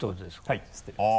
はい捨てれます。